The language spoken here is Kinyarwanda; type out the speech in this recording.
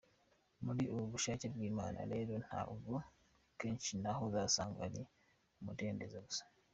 Muri ubu bushake bw’Imana rero ntabwo kenshi naho uzasanga ari umudendezo gusa.